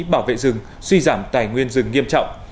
bảo vệ rừng suy giảm tài nguyên rừng nghiêm trọng